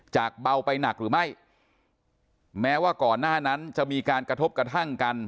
เบาไปหนักหรือไม่แม้ว่าก่อนหน้านั้นจะมีการกระทบกระทั่งกัน